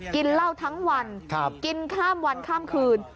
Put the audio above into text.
กินเหล้าทั้งวันกินข้ามวันข้ามคืน